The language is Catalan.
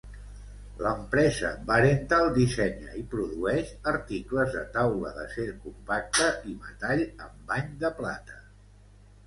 L'empresa Barenthal dissenya i produeix articles de taula d'acer compacte i metall amb bany de plata.